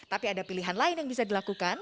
tapi ada pilihan lain yang bisa dilakukan